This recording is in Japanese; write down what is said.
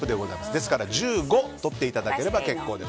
ですから１５とっていただければ結構です。